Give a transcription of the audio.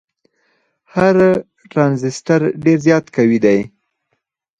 هر ټرانزیسټر ډیر زیات قوي دی.